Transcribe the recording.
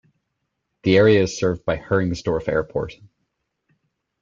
The area is served by Heringsdorf Airport.